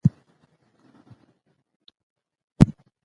دوی کلونه مخکې ښوونځي جوړ کړي وو.